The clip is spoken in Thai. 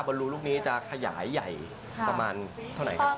รูลูกนี้จะขยายใหญ่ประมาณเท่าไหร่ครับ